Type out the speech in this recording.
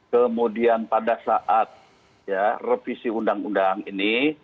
kemudian pada saat revisi undang undang ini